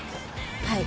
はい。